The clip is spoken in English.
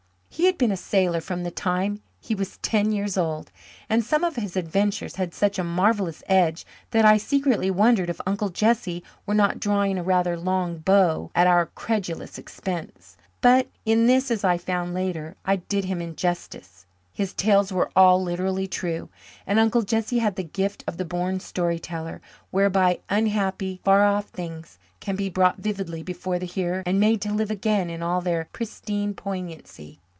He had been a sailor from the time he was ten years old, and some of his adventures had such a marvellous edge that I secretly wondered if Uncle Jesse were not drawing a rather long bow at our credulous expense. But in this, as I found later, I did him injustice. His tales were all literally true, and Uncle Jesse had the gift of the born story teller, whereby "unhappy, far off things" can be brought vividly before the hearer and made to live again in all their pristine poignancy.